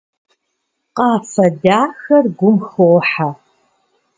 Къафэ дахэр гум хохьэ.